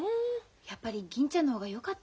やっぱり銀ちゃんの方がよかった？